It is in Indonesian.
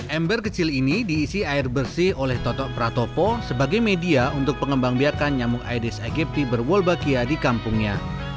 ember kecil ini diisi air bersih oleh totok pratopo sebagai media untuk pengembang biakan nyamuk aedes aegypti berwolbakia di kampungnya